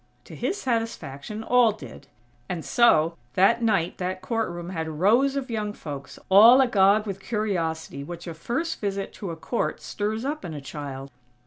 To his satisfaction, all did; and so, that night that court room had rows of young folks, all agog with curiosity which a first visit to a court stirs up in a child.